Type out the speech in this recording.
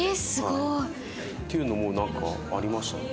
っていうのもなんかありましたね。